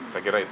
saya kira itu